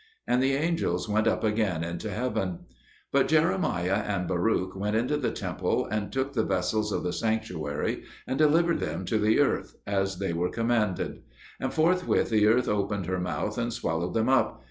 And the angels went up again into heaven. But Jeremiah and Baruch went into the temple, and took the vessels of the sanctuary and delivered them to the earth, as they were commanded; and forthwith the earth opened her mouth and swallowed them up.